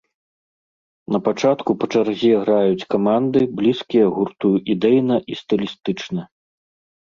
Напачатку па чарзе граюць каманды, блізкія гурту ідэйна і стылістычна.